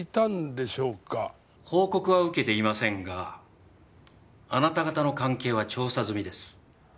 報告は受けていませんがあなた方の関係は調査済みです。